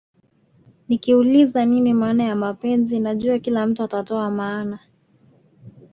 Nikiuliza nini maana ya mapenzi najua kila mtu atatoa maana